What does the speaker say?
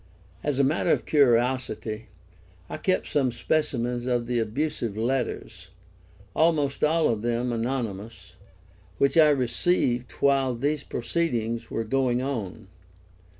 As a matter of curiosity I kept some specimens of the abusive letters, almost all of them anonymous, which I received while these proceedings were going on.